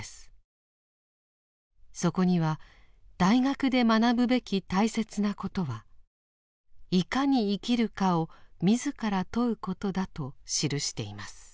そこには大学で学ぶべき大切なことは「如何に生きるか」を自ら問うことだと記しています。